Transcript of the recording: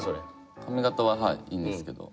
髪型ははいいいんですけど。